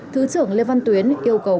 thứ trưởng lê văn tuyến yêu cầu